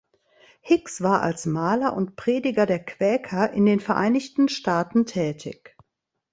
Hicks war als Maler und Prediger der Quäker in den Vereinigten Staaten tätig.